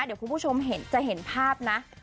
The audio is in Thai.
เดี๋ยวคุณผู้ชมจะเห็นภาพนะ